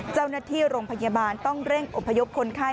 เจ้าหน้าที่โรงพยาบาลต้องเร่งอบพยพคนไข้